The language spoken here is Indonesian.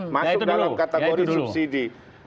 masuk dalam kategori subsidi